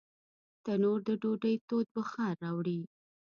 تنور د ډوډۍ تود بخار راوړي